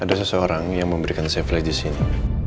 ada seseorang yang memberikan safe light di sini